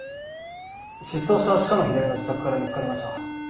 失踪した鹿野秀美の自宅から見つかりました。